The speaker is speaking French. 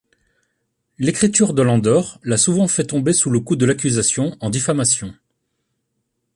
L'écriture de Landor l'a souvent fait tomber sous le coup de l'accusation en diffamation.